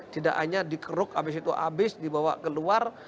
tidak hanya dikeruk habis itu habis dibawa keluar